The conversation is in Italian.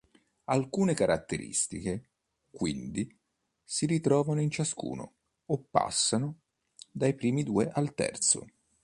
Alcune caratteristiche, quindi, si ritrovano in ciascuno o passano dai primi due al terzo.